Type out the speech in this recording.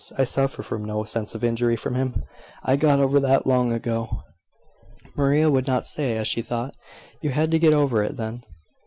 I suffer from no sense of injury from him. I got over that, long ago." Maria would not say, as she thought, "You had to get over it, then?"